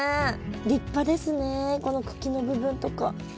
立派ですねこの茎の部分とか。